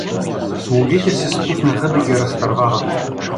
Слугите се спуснаха да ги разтървават.